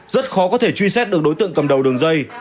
rất khó có thể truy xét được đối tượng cầm đầu đường dây